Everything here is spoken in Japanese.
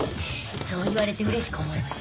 そう言われてうれしく思います。